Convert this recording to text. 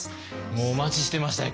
もうお待ちしてましたよ